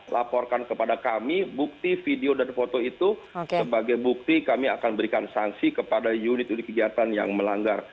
laporkan kepada kami bukti video dan foto itu sebagai bukti kami akan berikan sanksi kepada unit unit kegiatan yang melanggar